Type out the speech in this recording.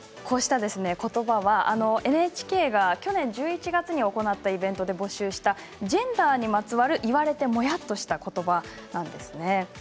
こうしたことばは、ＮＨＫが去年１１月に行ったイベントで募集したジェンダーにまつわる言われてモヤっとしたことばなんです。